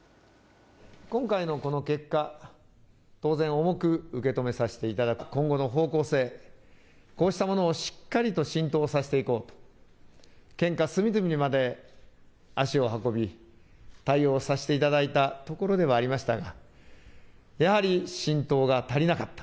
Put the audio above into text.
今回のこの結果、当然、重く受け止めさせていただき、今後の方向性、こうしたものをしっかりと浸透させていこうと、県下隅々にまで足を運び、対応させていただいたところではありましたが、やはり浸透が足りなかった。